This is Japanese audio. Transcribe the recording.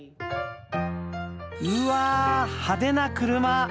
うわ派手な車！